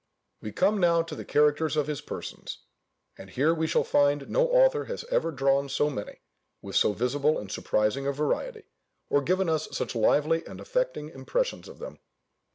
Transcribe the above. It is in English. We come now to the characters of his persons; and here we shall find no author has ever drawn so many, with so visible and surprising a variety, or given us such lively and affecting impressions of them.